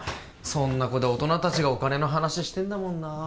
そんな子で大人達がお金の話してんだもんなあ